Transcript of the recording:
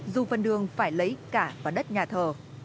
dù phần đường phải lấy cả vào đất nhà thờ